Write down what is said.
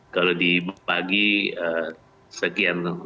kalau dibagi sekian